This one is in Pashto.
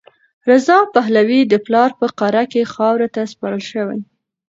رضا پهلوي د پلار په قاره کې خاورو ته سپارل شوی.